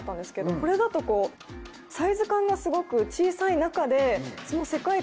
これだとサイズ感がすごく小さい中でその。